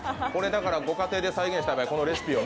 ご家庭で再現したい場合このレシピをね。